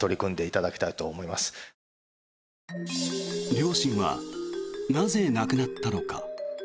両親はなぜ亡くなったのか。